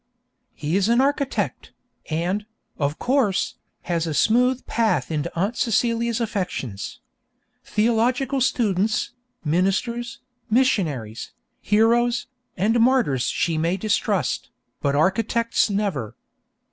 He is an architect, and, of course, has a smooth path into Aunt Celia's affections. Theological students, ministers, missionaries, heroes, and martyrs she may distrust, but architects never!